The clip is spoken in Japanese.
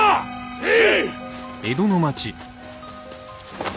へい！